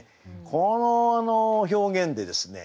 この表現でですね